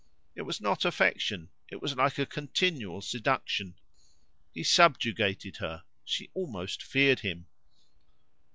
It was not affection; it was like a continual seduction. He subjugated her; she almost feared him.